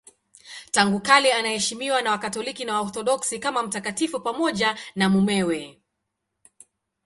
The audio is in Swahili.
Tangu kale anaheshimiwa na Wakatoliki na Waorthodoksi kama mtakatifu pamoja na mumewe.